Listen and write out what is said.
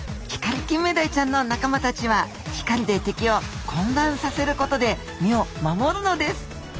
ヒカリキンメダイちゃんの仲間たちは光で敵を混乱させることで身を守るのです。